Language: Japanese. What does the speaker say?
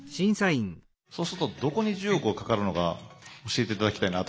そうするとどこに１０億がかかるのか教えて頂きたいなというのありまして。